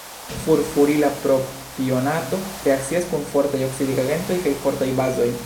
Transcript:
Furfurila propionato reakcias kun fortaj oksidigagentoj kaj fortaj bazoj.